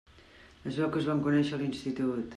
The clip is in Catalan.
Es veu que es van conèixer a l'institut.